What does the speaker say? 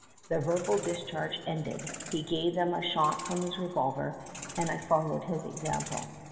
The verbal discharge ended, he gave them a shot from his revolver, and I followed his example.